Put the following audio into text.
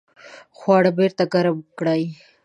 خواړه بیرته ګرم کړئ